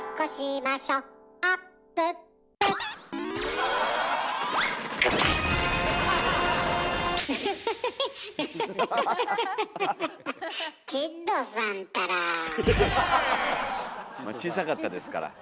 まあ小さかったですから。